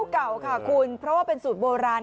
เก่าค่ะคุณเพราะว่าเป็นสูตรโบราณ